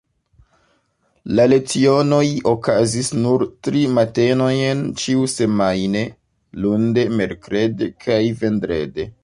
La lecionoj okazis nur tri matenojn ĉiusemajne, lunde, merkrede kaj vendrede.